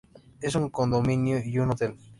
Es un condominio y un hotel.